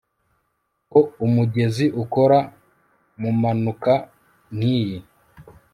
Ko umugezi ukora mumanuka nkiyi